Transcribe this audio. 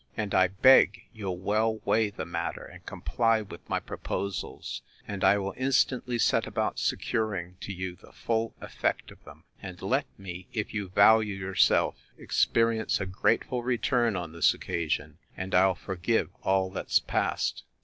'And I beg you'll well weigh the matter, and comply with my proposals; and I will instantly set about securing to you the full effect of them: And let me, if you value yourself, experience a grateful return on this occasion, and I'll forgive all that's past.